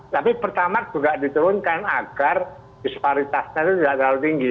tapi pertama juga diturunkan agar disparitasnya itu tidak terlalu tinggi